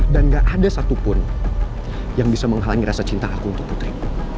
dan gak ada satupun yang bisa menghalangi rasa cinta aku untuk putri